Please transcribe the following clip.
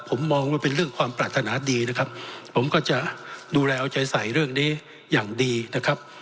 ผมมองว่าเป็นเรื่องความปรารถนาดีนะครับผมก็จะดูแลเอาใจใส่เรื่องนี้อย่างดีนะครับ